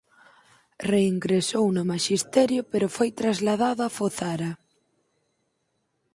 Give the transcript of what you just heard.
Reingresou no maxisterio pero foi trasladado a Fozara.